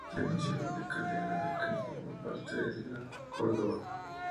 Se encuentra en la ciudad La Calera, que forma parte del Gran Córdoba.